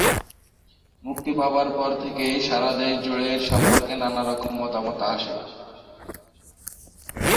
মুক্তি পাবার পর থেকেই সারা দেশজুড়ে এর সম্পর্কে নানা রকম মতামত আসে।